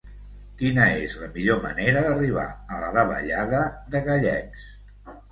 Quina és la millor manera d'arribar a la davallada de Gallecs?